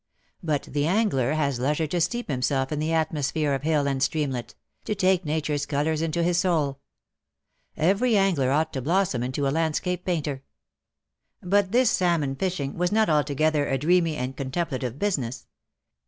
But the angler has leisure to steep himself in the atmosphere of hill and streamlet — to take Nature/s colours into his soul. Every angler ought to blossom into a landscape painter. But this salmon fishing was not altogether a dreamy and contemplative business.